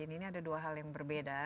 ini ada dua hal yang berbeda